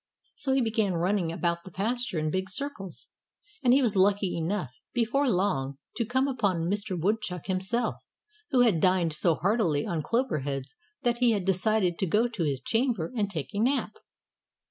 So he began running about the pasture in big circles. And he was lucky enough, before long, to come upon Mr. Woodchuck himself, who had dined so heartily on clover heads that he had decided to go to his chamber and take a nap.